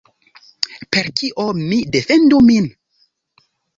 Per kio mi defendu min?